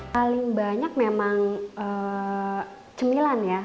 paling banyak memang cemilan ya